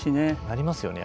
なりますよね